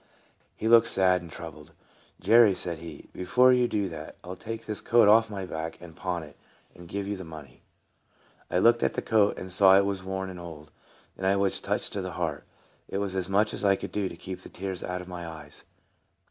He looked sad and troubled. " Jerry," said he, " before you shall do that, I '11 take this coat off my back and pawn it, and give you the money." A FRIEND IN NEED. 51 I looked at the coat and saw it was worn and old, and I was touched to the heart. It was as much as I could do to keep the tears out of my eyes.